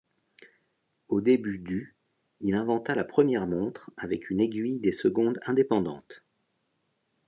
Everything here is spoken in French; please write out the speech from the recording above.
Au début du il inventa la première montre avec une aiguille des secondes indépendante.